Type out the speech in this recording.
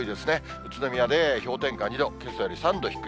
宇都宮で氷点下２度、けさより３度低い。